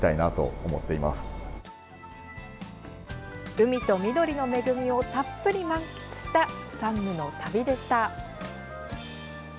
海と緑の恵みをたっぷり満喫した山武の旅でした。